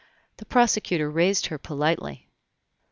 The prosecutor raised her politely.